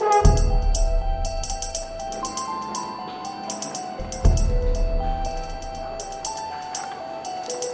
biar latihan dan susan